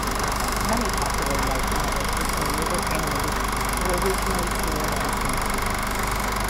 Many popular light novels which were later animated were originally serialized in it.